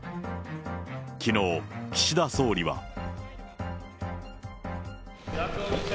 きのう、岸田総理は。